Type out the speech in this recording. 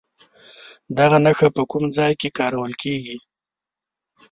دغه نښه په کوم ځای کې کارول کیږي؟